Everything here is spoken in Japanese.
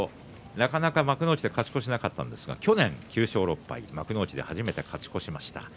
なかなか幕内で勝ち越しがなかったんですが去年９勝６敗、幕内で初めて勝ち越しました。